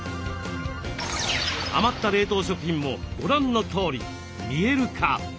余った冷凍食品もご覧のとおり見える化。